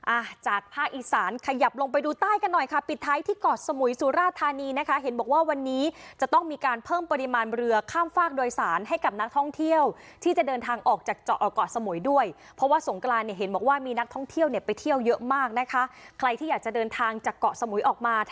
อ่ะจากภาคอีสานขยับลงไปดูใต้กันหน่อยค่ะปิดท้ายที่เกาะสมุยสุราธานีนะคะเห็นบอกว่าวันนี้จะต้องมีการเพิ่มปริมาณเรือข้ามฝากโดยสารให้กับนักท่องเที่ยวที่จะเดินทางออกจากเจาะออกเกาะสมุยด้วยเพราะว่าสงกรานเนี่ยเห็นบอกว่ามีนักท่องเที่ยวเนี่ยไปเที่ยวเยอะมากนะคะใครที่อยากจะเดินทางจากเกาะสมุยออกมา